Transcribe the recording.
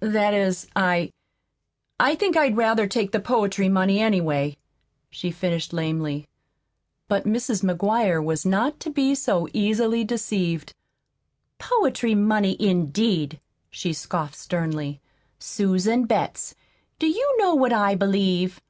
"That is, I I think I'd rather take the poetry money, anyway," she finished lamely. But Mrs. McGuire was not to be so easily deceived. "Poetry money, indeed!" she scoffed sternly. "Susan Betts, do you know what I believe?